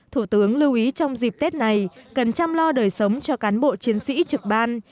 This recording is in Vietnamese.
thủ tướng lưu ý trong dịp tết này cần chăm lo đời sống cho cán bộ chiến sĩ trực ban